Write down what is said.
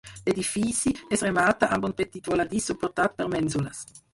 L'edifici es remata amb un petit voladís suportat per mènsules.